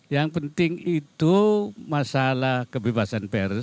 yang penting itu masalah kebebasan pers